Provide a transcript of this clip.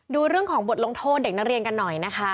ดูเรื่องของบทลงโทษเด็กนักเรียนกันหน่อยนะคะ